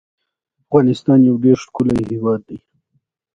افغانستان د اوبزین معدنونه په برخه کې نړیوالو بنسټونو سره کار کوي.